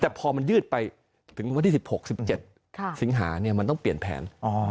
แต่พอมันยืดไปถึงวันที่๑๖๑๗สิงหาเนี่ยมันต้องเปลี่ยนแผน